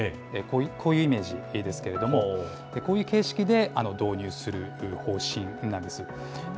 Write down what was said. こういうイメージですけれども、こういう形式で導入する方針なんです。